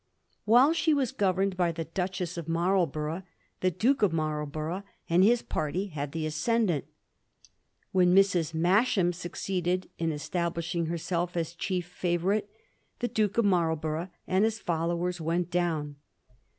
While she was governed by the Duchess of Marlborough, the Duke of Marlborough and his party had the ascendant. When Mrs. Masham succeeded in esta blishing herself as chief favourite, the Duke of Marlborough and his followers went down.